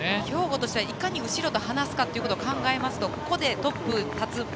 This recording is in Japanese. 兵庫としてはいかに後ろと離すかということを考えますとここでトップに立つ。